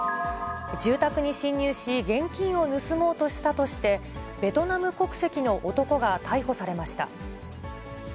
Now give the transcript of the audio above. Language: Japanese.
住宅に侵入し、現金を盗もうとしたとして、ベトナム国籍の男が逮捕されました。